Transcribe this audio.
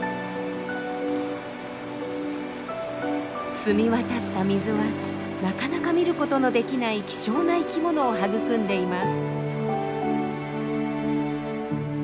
澄み渡った水はなかなか見る事のできない希少な生きものを育んでいます。